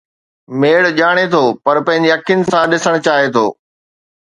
ميڙ ڄاڻي ٿو پر پنهنجي اکين سان ڏسڻ چاهي ٿو.